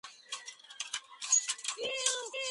A veces se escribe como St.